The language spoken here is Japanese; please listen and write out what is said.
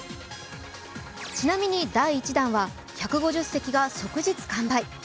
ちなみに、第１弾は１５０席が即日完売